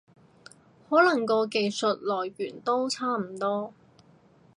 可能個技術來源都差唔多